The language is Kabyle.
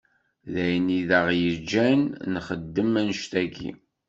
D ayen i d aɣ-yeǧǧan, nxeddem anect-agi.